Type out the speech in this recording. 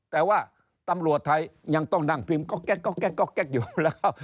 แต่ว่าตำรวจไทยยังต้องนั่งพิมพ์ก๊อกแก๊กก๊อกแก๊กก๊อกแก๊กอยู่แล้ว